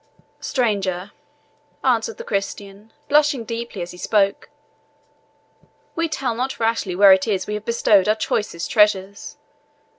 "Stranger," answered the Christian, blushing deeply as he spoke, "we tell not rashly where it is we have bestowed our choicest treasures.